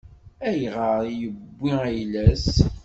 Ayɣer i yewwi ayla-s?